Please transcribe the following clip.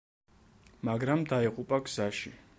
მაგრამ დაიღუპა გზაში.